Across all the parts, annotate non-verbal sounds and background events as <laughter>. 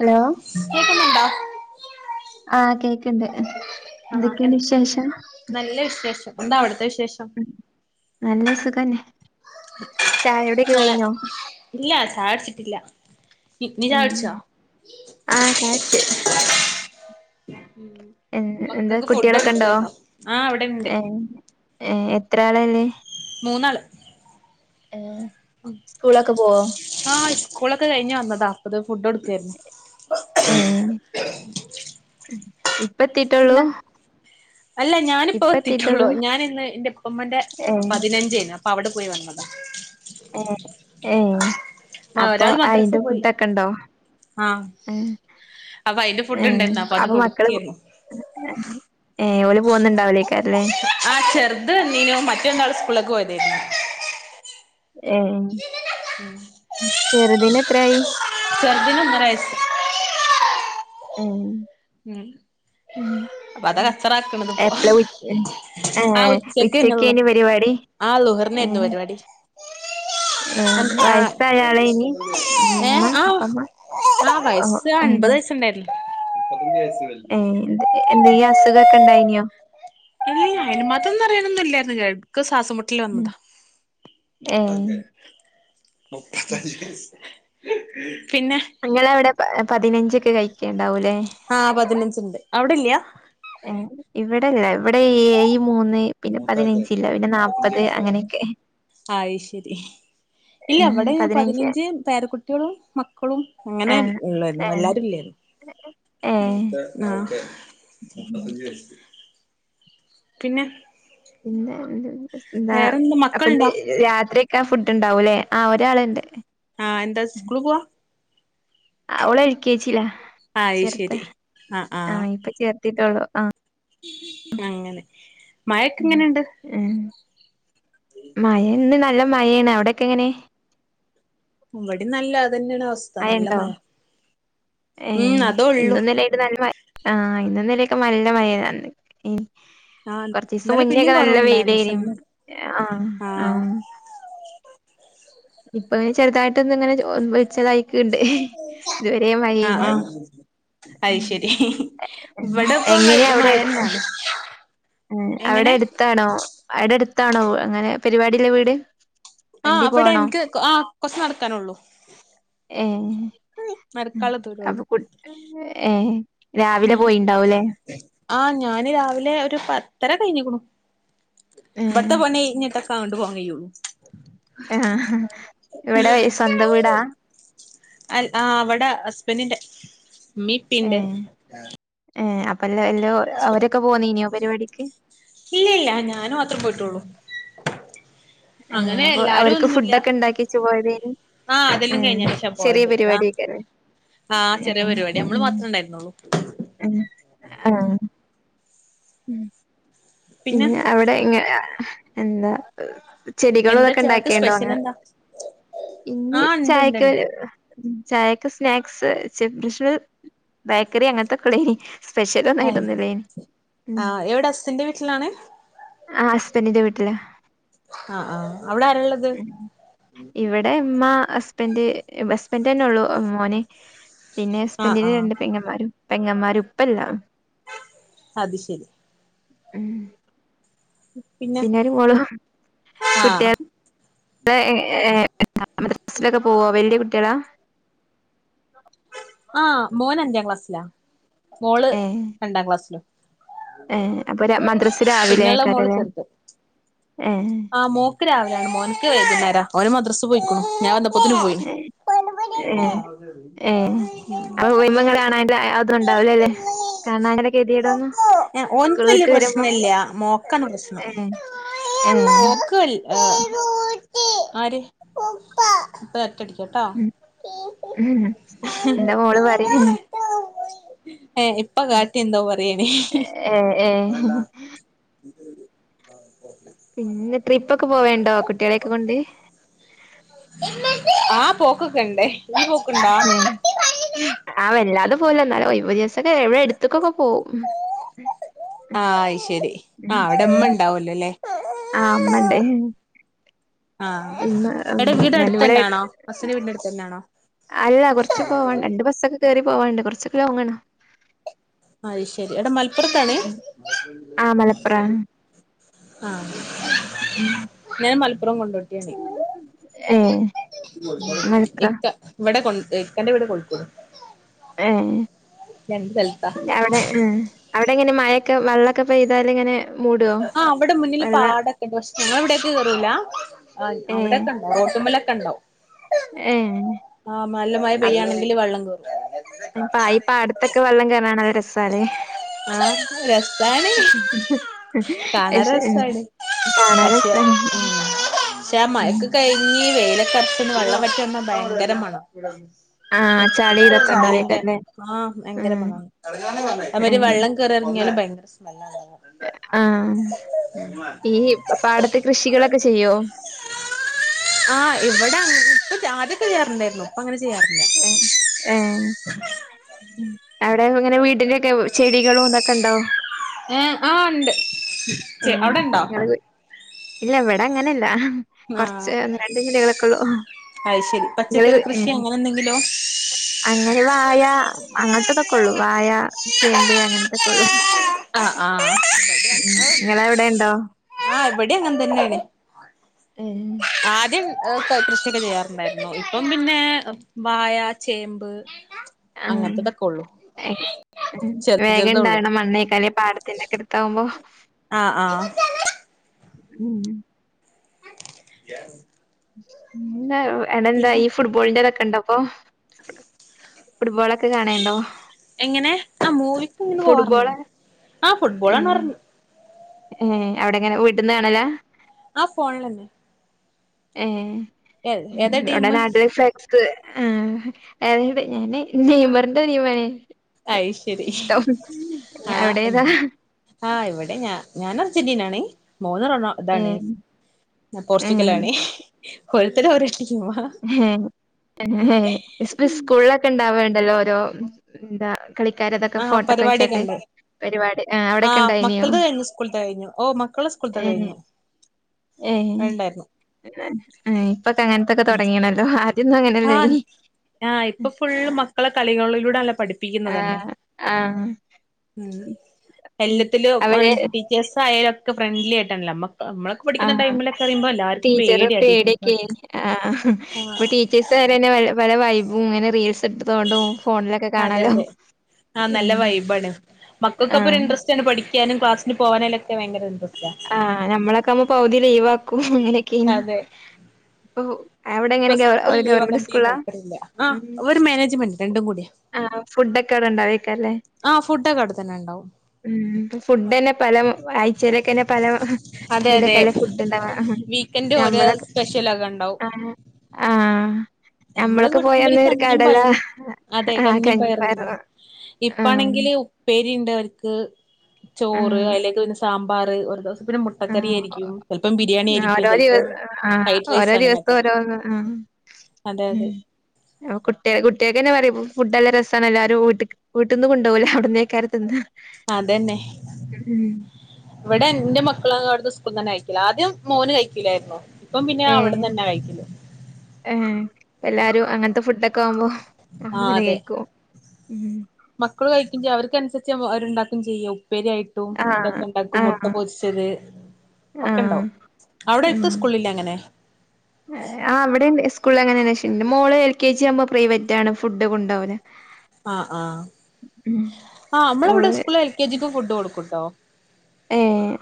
Hello കേക്കുന്നുണ്ടോ ആഹ് കേക്ക്ണ്ട് ആഹ് എന്തെക്കെയുണ്ട് വിശേഷം നല്ല വിശേഷം എന്താ അവിടത്തെ വിശേഷം മ്ഹ് നല്ല സുഖന്നെ ചായകുടിയൊക്കെ കാ കഴിഞ്ഞോ ഇല്ല ചായ കുടിച്ചിട്ടില്ല നി നീ ചായ ഉം കുടിച്ചോ ആഹ് ചായുടിച്ച് മ്ഹ് എന്താ മക്കക്ക് ഫുഡ് കുട്ടികളൊക്കെ ഉണ്ടോ കൊടുക്കേയാർന്നു ആഹ് അവിടെണ്ട് ഏഹ് ഏഹ് എത്ര ആള ഇള്ളേ മൂന്നാള് ഏഹ് സ്കൂളിലൊക്കെ പോവോ ആഹ് ഇസ്കൂളൊക്കെ കഴിഞ്ഞ് വന്നതാ അപ്പതാ ഫുഡ് കൊടുക്കാരുന്നു എഹ് ഏഹ് മ്ഹ് ത്തിട്ടോള്ളു പിന്നെ അല്ല ഞാനിപ്പോ എത്തിട്ടേള്ളൂ ഞാനിന്ന് എന്റെ ഇപ്പമ്മാന്റെ ഏഹ് പതിനഞ്ചേർന്നു അപ് പ്പം അവിടെ പോയി വന്നതാ ഏഹ് ഏഹ് ആഹ് മാ ഒരാള് മദ്രസ്സേ പോയി കണ്ടോ ആഹ് എഹ് അപ്പൊ അയിന്റെ ഫുഡ് ഏഹ് ഉണ്ടായിരുന്നു അത് അപ്പൊ മക്കള് കൊടുക്കായിരുന്നു ഏഹ് ഓല് പോന്നുണ്ടാവും <unintelligible> ല്ലേ ആഹ് ചെറുത് ഇണ്ടീനു മറ്റ് രണ്ടാളും സ്കൂളിലേക്ക് പോയതേ ഏഹ് ചെറുതിനെത്രായി ചെറുതിന് ഒന്നര വയസ്സ് മ്ഹ് മ്ഹ് അപ്പൊ അത ഉം കച്ചറ ആക്കണതിപ്പൊ എപ്പള ഉച്ച ആഹ് ഏഹ് ഉച്ചക്ക് തന്നല്ലോ ഉച്ചക്കേനി പരിപാടി ആഹ് ളുഹറിനായിരുന്നു ഏഹ് പരിപാടി ഏഹ് അൻ അ വയസ്സായാളേനി ഉമ്മ ഏഹ് ആഹ് ഉപ്പമ്മ ആഹ് വയസ് ഏഹ് അൻപത് വയസ്സുണ്ടായിരുന്നു ഏഹ് എന്തെ എന്തേയ്യാ അസുഖൊക്ക ഇണ്ടായിനോ ഇല്ലല്ല അയിന് മാത്രൊന്നും പറയാനൊന്നും ഇല്ലായിരുന്നു എടക്ക് സ്വാസം മു ട്ടല് വന്നതാ മൂത്ത ഏഹ് ആക്കേ മുപ്പത്തഞ്ച് വയസ്സ് പിന്ന നിങ്ങള അവിടെ പ പതിനഞ്ചെക്കെ കഴിക്കാണ്ടാവൂല്ലേ ആഹ് പതിനഞ്ച്ണ്ട് അവിടെല്യാ ഏഹ് ഇവിടെ ഇല്ലാ ഇവിടെ ഈ മൂന്ന് പിന്നെ മൂത്താക്കേ പതിനഞ്ചില്ല പിന്നെ മൂപ്പത്തഞ്ച് നാപ്പത് വയസ്സേ ആയിള്ളൂ അങ്ങനെയൊക്കെ അയ്ശരി ഇല്ല ഇവടെ പതിനഞ്ച് പേര കുട്ട്യളും മക്കളും അങ്ങനെ ഇള്ളായിരുന്നു എല്ലാരും ഇല്ലായിരുന്നു ഏ ആഹ അവക് മുബതഅജ് വയസ്ത് പിന്നെ പിന്നെ എന്താ വേറെന്താ അപ്പൊ മക്കളുണ്ടോ തന് രതി ഫുഡ് ഉണ്ടാവൂല്ലേ ആഹ ഒരാളുണ്ട് ആഹ എന്താ സ്കുളി പോവാ അവളെൽ ക്കേജിയിലാ അത് ചേർത്തെ ശരി ആഹ് ആഹ ആഹ് ഇപ്പ ചേർത്തിട്ടാള്ളൂ ആ അങ്ങനെ മയക്ക എങ്ങനെയണ്ട് ഉം മഴന്ന് നല്ല മഴയാണ് അവിടെക്കെ എങ്ങനെ ഇവിടെനല്ല മഴഅതന്നെയാണ് അവസ്ഥ നല്ല മഴയുണ്ടോ മഴ ഏ ഉം അത ഉള്ളൂ ഇന്നും ഇന്നലെയായിട്ട് നല്ല ആഹ ഇന്നന്നിലൊക്കെ നല്ല മഴന്ന ആഹ് കൊറച്ച ദിവസം ഇന്നലെ പിന്നിം മുന്നേൊക്കെ നല്ല വെയിൽ കൊറവുണ്ടായിരുന്നു പക്ഷെ ഇന്ന് ആഹ ആഹ ആഹ് ഇപ്പൊ ഇെ ചെറുതായിട്ടൊന്ന ഇങ്ങനെ വെച്ചതായി ആഹ ആഹ അത് ശരി ഇവിടെ ഇപ്പ മഴ എന്നാണ് ഉം അവിടെ അടുത്താണോ അവിടെ അടുത്താണോ അങ്ങനെ പരിപാടില്ല വീട് ആഹ വണ്ടി അവിടെ പോണോ എനിക്ക് ആഹ കൊച്ച് നടക്കാനുള്ളൂ ഏ നടക്കാള്ള അപ്പൊ കു ഏ രാവിലെ ഉ പോയിണ്ടാവൂലേ ആഹ ഞാന് രാവിലെ ഒരു പത്തര കഴിഞ്ഞിക്കണു ഇവിടുത്തെ പണ ഇഞ്ഞിട്ടൊക്കണ്ട് പോങ്ങയള്ളു ആഹ ഇവിടെ സ്വന്തം വീടാ അ ആഹ അവിടെ ഹസ്ബൻറിന്റെ മീപ്പിന്റെ ഏ അപ്പ എല്ല എല്ലോ അവരൊക്കെ പോന്നിയോ പരിപാടിക്ക് ഇല്ല ഇല്ല ഞാനും മാത്രേ പോയിട്ടുള്ളൂ ഏ അങ്ങനെ അപ്പൊ എല്ലാരും അവർക്ക് ഫുഡ ഒന്നുല്ല ഒക്കെ ഉണ്ടാക്കിച്ച്പോയതന് ആ അതെല്ലാം ഉം ചെറിയ പരിപാടിക്കെറ ആഹ ചെറിയ പരിപാടി നമ്മള് മാത്ര ഉണ്ടായിരുന്നുള്ളൂ ഉ ആഹ ഉ പിന്നെ അവിടെ ഇങ്ങെ എന്താ ചെടികളും എന്താ ഇതൊക്കെ ചായക്ക് ഉണ്ടാക്കിയുണ്ടോ സ്പെഷ്യൽ അങ്ങനെ എന്താ ആ ഇന്ന് ഇണ്ട് ഇണ്ട് ചായക്ക ഉ ചായൊക്കെ സ്നാക്സ്ഷ ബേക്കറി അങ്ങനത്തെക്കെ ഉളനി സ്പെഷ്യൽ ഇണ്ട് ഒന്നായിട്ടൊന്ലെന് ഉ ആ എവിടെ അസ്സിന്റെ വീട്ടിലാണ് ആ് ഹസ്ബൻഡറിന്റെ വീട്ടില് ആഹ ആഹ അവിടെ ആര ഉുള്ളത് ഉ ഇവിടെ അമ്മ ഹസ്ബൻഡ് ഹസ്ബൻഡ് തന്നെ ഉള്ളു അ മോനെ പിന്നെ ആ ആ ഹസ്ബൻറിന്റെ രണ്ട് പെങ്ങമാരും പെങ്ങന്മാരും ഇപ്പൗ ഇല്ല അത് ശരി ഉ പിന്നെ പിന്നരു മോളം ആ കുട്ടിക ലൊക്കെ <inaudible> പോവാ വലിയ കുട്ടികളാ ആഹ മോന് അഞ്ചാം ക്ലാസ്സിലാ മോള് ഏഹ് രണ്ടാം ക്ലാസ്സിലോ ഏഹ് അപ്പൊ ര- മദ്രസ പിന്നെ ഉള മോള്. ചെറിയത ഏ ആഹ മോക്ക് രാവിലെയാണ് മോനക്ക് വൈകുന്നേരം അവര് മദ്രസ് പോയിക്കു ഞാൻ വന്തപ്പത്തിന് പോയി ഏ ഏ അപ്പ വിമങ്ങ കാണല്ല അത്? ഉണ്ടാവലേ അല്ലേ കാരണം അങ്ങനൊ കെഎതിടന്ന് ഓൻക്ക് വല്യ കെട്ട് വരുമ്പോ പ്രശ്നല്ല മോക്കാണ് പ്രശ്നം ഏ ഏ അര് ഉപപ ഉപപ അടികം കേട്ടോ ഉം ഉം. എന്റെ മോള് പറയും ഏ ഇപ്പൊ കാട്ടി എന്തോ പറയണേ ഏഹ് ഏഹ് ഇത ഓക്കെ പിന്നെ ട്രിപ്പ് ഒക്കെ പോവണ്ടോ കുട്ടികളെയൊക്കെ കൊണ്ട് ആ പോക്കൊക്കെണ്ടേ ആ വല്ലാതെ പോവൂല എന്നാലും ഒരുസൊക്കെ ഇവിടെ അ ടുത്തക്കൊക്കെ പോവും ആഹ് അയ്‌ ശരി ആ ഉം ഉം അവിടെമ്മ ഉണ്ടാവോല്ലോ അല്ലേ ആ അമ്മണ്ട് ആഹ ഇമ്മ എടെ വീടെ എന്നാലും അടുത്ത് ഇവിടെ തന്നെയാണൊ ഹസ്സിന്റെ വീടിനടുത്തന്നെയാണൊ അല്ല കുറച്ച് പോവാണ്ട് രണ്ട് ബസ്സൊക്കെ കയറി പോവാണ്ട് കൊ റച്ചൊക്കെ ലോങ്ങാണ് അത് ശരി എവിട മലപ്പുറത്താണെ ആ ആഹ് ഉ ഉ ഞാ മപ്പുറം കൊണ്ടോട്ടിയാണെ ഏഹ് ക്ക ഇവിടെ ഇക്കാന്റെ വീട് കോഴിക്കോട് ഏ രണ്ട് സ്ഥലത്താ പിന്നാ അവിടെ ആഹ് അവിടെ എങ്ങനെ മഴൊക്കെ വെള്ളക്കെ പെയ്താല് ഇങ്ങനെ മൂടോ ആ അവിടെ മുന്നിൽ വെള്ള പാടൊക്കെണ്ട് പക്ഷേഞങ്ങളിവിടൊക്കെ കേറൂല ഏ അവിടേക്കൊണ്ട് റോട്ടുമ്പലൊക്കെ ഉണ്ടൊ ഏഹ് ആഹ് നല്ല മഴ പെയ്യാണെങ്കിൽ വള്ളം കേറും ഇത്തൊക്കെ വെള്ളം കയറാണെ ങ്കി നല്ല രസല്ലി ആഹ് രസാണ് കാണാൻ രസാണ് കാണാൻ രസാണ്. പക്ഷെ ഉം. മയേക്കെ കഴിഞ്ഞ് ഈ വെയിലക്കറപ്പന്ന് വെള്ള വറ്റു ന്ന ഭയങ്കര മണം ആ ചളി ഇതൊക്കെ ചളിന്റെ ഉണ്ടാവേക്കാരല്ലേ? ആ ഭയങ്കര ഉം. മണാ അവര് ഉം. വെള്ളം കേറി ഇറങ്ങിയാലും ഭയങ്കര സ്മെല്ലാവട ആഹ് ഈ പാടത്തെ കൃഷികളൊക്കെ ചെയ്യോ ആഹ് ഇവിടെ ഇപ്പൊ ആദ്യൊക്കെ ചെയ്യാറുണ്ടായിരുന്നു ഇപ്പ അങ്ങനെ ചെയ്യാറില്ല ഉ ആഹ ങ്ങനെ വീടിന്റെ ഒക്കെ ചെടികളും ഒന്നൊക്കെ ഉണ്ടാവൊ ആഏ ആ ഉണ്ട് ഉ അവിടെ ഉണ്ടോ ഇല്ലവിടെ അങ്ങനില്ല. ആഹ് കൊറച്ച് രണ്ടഞ്ചില്ലകളൊക്കെള്ളൂ അത് ശരി പച്ചക്കറി കൃഷി നിങ്ങ അങ്ങനെ എന്തെങ്കിലോ അങ്ങനെ വായ അങ്ങനത്തെതൊക്കെ കൊള്ളു വായ ചേമ്പ് അങ്ങനത്തെ കൊള്ളു ആഹ് ആഹ് ഉ നിങ്ങള അവിടെ ഉണ്ടൊ ആഹ് ആ ഇവിടെ അങ്ങനെ തന്നേണ് ഏ. ആദ്യം കൃഷിയൊക്കെ ചെയ്യാറുണ്ടായിരുന്നു ഇപ്പം പിന്നെ വായ ചേമ്പ് ആ അങ്ങനത്തതൊക്കെ ഉള്ളു ചെറുത് വേഗം ചെറുതേ ഉള്ളു ഉണ്ടാവണ മണ്ണേക്കാലേ പാട തിന്റെക്കെടുത്താവുമ്പൊ ആഹ് ആഹ് ഉം ഞാൻ എടെന്താ ഈ ഫുട്ബോളിന്റെതൊക്കെ ഇണ്ടപ്പോഫുട്ബോളൊക്കെ കാണേണ്ടോ എങ്ങനെ ആ മൂവിക്ക് ഇങ്ങനെ ഫുട്ബോൾ പോവാറുണ്ട് ആ ഫുട്ബോളാണ് പറഞ്ഞ് അവിടെ എങ്ങനെ വീട്ട്ന്ന് കാണലാ ആ ഫോണിലന്നെ ഏഹ്‌ ഏ ഏതാ ടീം വിടെ ആരെതെങ്കി ആ ഏഹ് ഞാൻ നെയംമറിന്റെ ടീം ആണ് അയ്ശരി ഇഷ്ടം അവിടേതാ ആ ഇവിടെ ഞാൻ ഞാന് അർജന്റീനാണേ മോള് റൊണാ ഏ അതാണ് ഞാ ഏ പോർച്ചുക്കലാണേ ഓരോരുത്തർ ഓരോ ടീമാ ഹേ ഏ ഹേ ഹേ ഇപ്പോ സ്കൂളൊക്കെ ഉണ്ടാവണ്ടല്ലോ ഓരോ എന്താ കളിക്കാരതൊക്കെ ആഹ് ഫോട്ടോക്കെ പരിപാടിയൊക്കെ വെച്ചിട്ട് ഉണ്ട് പരിപാടി ആ അവിടൊക്കെ ആഹ് ഉണ്ടായിനിയോ മക്കളത് കഴിഞ്ഞു സ്കൂളത്തെ കഴിഞ്ഞു ഓ മക്കളെ സ്കൂളത്തെ ഏ കഴിഞ്ഞു ഏ വേണ്ടായിരുന്നു ഇപ്പൊക്കെ അങ്ങനത്തൊക്കെ തുടങ്ങിയണല്ലോ ആര് ആ ഇണ്ട് ആ ഇപ്പൊ ഫുള്ള് മക്കളെ കളികളിലൂടെയല്ലേ ആ പഠിപ്പിക്കുന്നത് തന്നെ ആ ഉം ഉം. എല്ലത്തിലും വൺ അവര് ടിക്ക് എസ് ആയോലൊക്കെ ഫ്രണ്ട്ലി ആയിട്ടാണല്ലോ നമ്മക്ക് നമ്മളൊ ആ ടീച്ചർ ടീച്ചേഴ്സിനോട് പേടിക്കേനിം ആ ഇപ്പൊ ടീച്ചേസ് ള്ളേരന്നെ പല വൈബും ഇങ്ങനെ റീൽസ് എടുത്തോണ്ടുപോവും അതെ അതെ ആ ഉം. നല്ല വൈബാണ് ആ മക്കക്കപ്പൊരു ഇൻട്രസ്റ്റ് ഇഷ്ടാണ് പഠിക്കാനും ക്ലാസിനു പോവാനലൊക്കെ ഭയങ്കര ഇൻട്രസ്റ്റാ ആ ഞമ്മളൊക്കെ ആവുമ്പോ പകുതി ലീവാക്കും അങ്ങനൊക്കെ ഇനി അതെ പ്പൊ ഇപ്പൊ സ്കൂളിൽ ലീവാക്കാൻ തീരെ താല്പര്യമില്ല ആ ഉം ഒര് മാനേജ്മെന്റ് രണ്ടും കൂടി ആ ഫുഡൊക്കെ അവിടെ ഉണ്ടായേക്കല്ലേ ആ ഫുഡൊക്കെ അവിടെ തന്നെയൊണ്ടാവും ഉം ഫുഡ് തന്നെ പല ആഴ്ച്ചയിലൊക്കെ ന്നെ പല അതെ അതെ ഇതിലൊക്കെല്ലെ ഫുഡ് ഒണ്ടാവാ വീക്കെൻഡ് ഓരോ സ്പെഷ്യലൊക്കെ ഒണ്ടാവും ആ നമ്മള് കുടിക്കുമ്പോ ഒരു കഞ്ഞിയും പയറും അതെ ആഹ് കഞ്ഞിയും കഞ്ഞിപ്പയറ് പയറുണ്ടാവും ആഹ് ഇപ്പാണെങ്കില് ഉപ്പേരി ഇണ്ട് അവർക്ക് ചോറ് ആഹ് അയില്ലേക്കുപിന്നെ സാമ്പാറ് ഒരു ദിവസം പിന്നെ മു ആ ഓരോ ദിവസ ചെലപ്പം ആ ഫ്രൈഡ് റൈസ് ഓരോ അങ്ങനെയൊക്കെ ദിവസോരോന്ന് ആ അതെ ഉം അതെ അപ്പോ കുട്ടേക് കുട്ടിയേക്കന്നെ പറയും ഫുഡ് നല്ല രസാണ് എല്ലാരും വീട്ടിക്ക് വീട്ടിന്നു കൊണ്ടോവൂല അവിടന്നെക്കാര തിന്നാ അതന്നെ ഉം ഇവിടെ എന്റെ മക്കളാ അവിടന്ന് സ്കൂളന്നെ കഴിക്കില്ല ആദ്യം മോന് കഴിക്കില്ലായിരുന്നു ഇപ്പം പിന്നെ അവിടന്ന് തന്നെയാ കഴിക്കല് ആ എല്ലാരും അങ്ങനത്തെ ഫുഡൊക്കെ ആവുമ്പോ അവിടുന്നന്നെ കെയിക്കും മക്കൾ കഴിക്കില്ല അവർക്കനുസരിച്ച് അവരുണ്ടാക്കും ചെയ്യും ഉപ്പേരിയായിട്ട് ട്ടും ആഹ് ഇതൊക്കെ ഉണ്ടാക്കും മുട്ട ആഹ് പൊരിച്ചത് ആഹ് ഒക്കെണ്ടാവും അവിടെയെടുത്ത് ഉം സ്കൂളില്ലേ അങ്ങനെ ആ ഇവിടെ ഇണ്ട് സ് സ്കൂളിലങ്ങനെ വിശയം ഇല്ല മോള് എൽ കെ ജിആവുമ്പോ പ്രൈവറ്റാണ് ഫുഡ് കൊണ്ടോവല് ആ ആ ആ നമ്മളവിടെ ഓള് സ്കൂളില് എൽ കെ ജിക്കും ഫുഡ് കൊടുക്കൂട്ടോ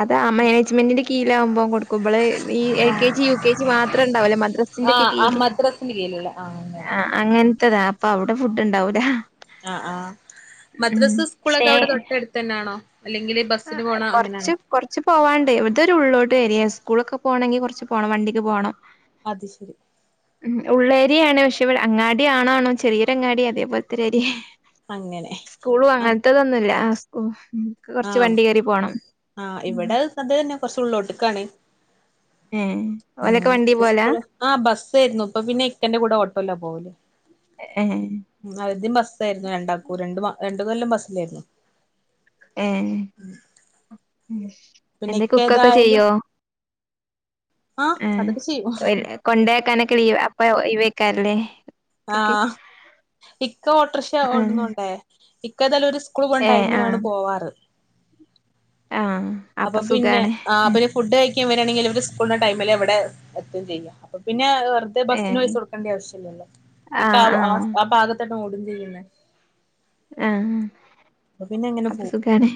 അതാ ആ മാനേജ്മെന്റിന്റെ കീഴിലാകുമ്പോ കൊടുക്കുമ്പള് ഈ L K G U K G മാത്രം ഉണ്ടാവൂല്ലേ മദ്രസ് സിന്റെ ഒക്കെ കീഴില് മദ്രസിന്റെ കീഴിലൊള്ള ആ അങ്ങനെ ആ അങ്ങനത്തതാ അപ്പൊ അവിടെ ഫുഡ് ഒണ്ടാവൂലാ ആ ആ മദ്രസാ സ്കൂളൊക്കെ അവിടെ തൊട്ടടുത്ത് തന്നാണോ അല്ലെങ്കില് ആ ബസ്സിന് അ പോണോ കൊറച്ച് അങ്ങനെയാണോ കൊറച്ച് പോവാണ്ടേ ഇതൊരു ഉള്ളോട്ട് ഏരിയാ സ്കൂളൊക്കെ പോകണെങ്കി കൊറച്ച് പോണം വണ്ടിക്ക് പോകണം അതുശെരി ഉം ഉള്ളേരിയാണ് പക്ഷേവിടെ അങ്ങാടിയാണോന്നു ചെറിയൊരു അങ്ങാടി അതേപോലെത്തെ ഒരു ഏരിയാ അങ്ങനെ സ്കൂളും ആഹ് അങ്ങനത്തതൊന്നുമില്ല സ്കൂ ക്ക് ച്ച് വണ്ടികേറിപോണം അതുതന്നെ കൊറച്ച് ഉള്ളോട്ടുക്കാണ് ഏ ഓലൊക്കെ വണ്ടി പോലാ ഉം ആ ബസ്സ്ആരുന്നു ഇപ്പൊ പിന്നെ ഇക്കാന്റെ കൂടെ ഓട്ടോലാ പോവല് ഏയ് ഏയ് ഉം ആദ്യം ബസ്സായിരുന്നു രണ്ടാക്കൂ രണ്ട് രണ്ടു കൊല്ലം ബസ്സിലായിരുന്നു ഏ പിന്നെ എന്തേ ഇക്ക കുക്കൊക്കെ ഏതായാലും ചെയ്യോ ആഹ് അതൊക്കെ ചെയ്യും കൊണ്ടോ കാനക്കോ ലീവ് അപ്പ ഒഴിവെക്കാരലേ ആഹ് ഇക്ക ഓട്ടോറിക്ഷ ഓടുന്നുണ്ടേ ഇക്ക ഇതല്ല ഒരു സ്കൂൾ പോണ ഏ ടൈമിലാണ് ആഹ് പോവാറ് ആഹ് അപ്പൊ പിന്നെ സുഖാണ് ഫുഡ് കഴിക്കാൻ വരാണെങ്കിൽ സ്കൂളിന്റെ ടൈമില് അവിടെ എത്തും ചെയ്യ അപ്പോ പിന്നെ തെ ഏ ബസ്സിന് പൈസ കൊടുക്കേണ്ട ആവശ്യ ഇല്ലല്ലോ ഇക്ക ആഹ് ആ ആഹ് ആ ഭാഗത്തെക്കാണ് ഓടും ചെയ്യുന്നേ ആഹ് അപ്പൊ പിന്നെ അങ്ങനെ അപ്പൊ സുഖാണ്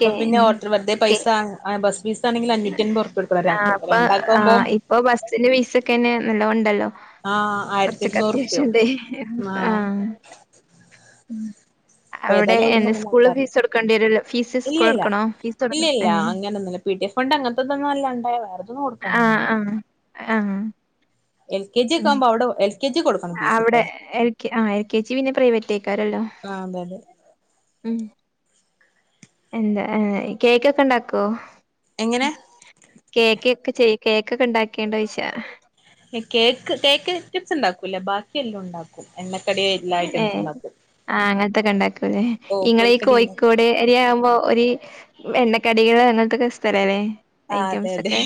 കേ പിന്നെ ഓട്ടർ ബർഡേ കേ പൈസ ബസ് ഫീസ് ആണെങ്കിൽ അഞ്ഞൂറ്റി അമ്പപത് ഉർപിഴ കെടുക്കണം ഒരാക്ക് ആഹ് അപ്പ അപ്പൊ ആഹ് രണ്ടാക്കാകുംമ്പോം ഇപ്പൊ ബസ്സിന് പൈസക്കെന്നെ നല്ലോംണ്ടല്ലോ ആഹ് ആയിരത്തി കൊറച്ചൊക്കെ അത്യാശ്യം ഇരുന്നൂറുപ്യാവും ഇണ്ടേ ആഹ് അപ്പൊ അവിടെ ഏതായാലും ഓടുമ്പോ എന്താ അങ്ങനെ സ്കൂള് ആക്കാറില്ല ഫീസ് കൊടുക്കേണ്ടിരൊ ഫീസ് സ്കൂള് ഇല്ലില്ല കൊടുക്കണോ ഫീസ് കൊട് ഇല്ലില്ല ഏ അങ്ങനൊന്നുല്ല പി ടി എ ഫണ്ട് അങ്ങത്തെന്നല്ലാണ്ട വേറെ തൊന്നും കൊടു ആഹ് ആഹ് ആഹ് എൽ കെ ജി കാക്കുംബം അവിടെ എൽ കെ ജി കൊടുക്കണം അവിടെ ഫീസ്ട്ടോ എൽ കെ ആ എൽ കെ ജി പിന്നെ പ്രൈവറ്റ് എഴ്ക്കാരല്ലോ ആ അതെ അതെ ഉം എന്താ കേക്കൊക്കെ ഇണ്ടാക്കോ എങ്ങനെ കേക്ക് ഒക്കെ ചെയ കേക്ക്ക്കെ ഇണ്ടാക്കോണ്ടോ ചോയിച്ച കേക്ക് കേക്ക് റ്റംപ്സ് ഇണ്ടാക്കൂല്ല ബാക്കിയല്ലാം ഇണ്ടാക്കും എണ്ണ കടിയായി ഏ ആഹ് അങ്ങനത്തൊക്കെ ഇണ്ടാക്കൂല്ലേ ഓ ഇങ്ങള് ഈ പൊരിക്കടി ഉണ്ടാക്കും കോഴിക്കോട് രിയാവുമ്പോ ഒരു എണ്ണക്കടികൾ അങ്ങനത്തെക്കെ ഇ സ്ഥലവെ ആ അതെ ഐറ്റംസ് അതെ ഒക്കെ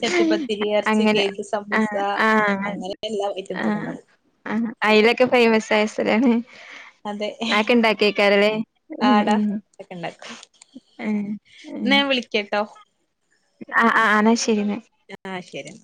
ചട്ടിപ്പത്തിരി ഇറച്ചി അങ്ങനെ കേക്ക് സമൂസ ആഹ് ആഹ് അങ്ങനെ എല്ലാ ഐറ്റംസ് ഒക്കെ ആഹ് ഉണ്ടാവും ആഹ് ഐലൊക്കെ ഫേയ്മസ് ആയ സ്തലാണ് അതെ ആക്കോഇണ്ട കേക്കാരല്ലേ ആടാ ഇന്നാ ഞാൻ വിളിക്കട്ടോ ആഹ് ആഹ് ആഹ് എന്നാൽ ശരിന്ന ആഹ് ശരി ഇന്നാ